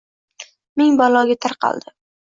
Ming baloga taqaldi.